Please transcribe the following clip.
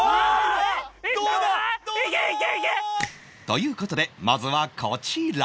という事でまずはこちら